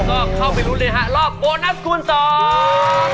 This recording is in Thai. ก็เข้าไปลุ้นเลยฮะรอบโบนัสคูณสอง